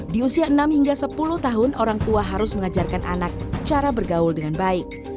di usia enam hingga sepuluh tahun orang tua harus mengajarkan anak cara bergaul dengan baik